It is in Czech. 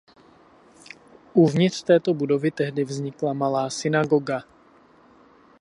Uvnitř této budovy tehdy vznikla malá synagoga.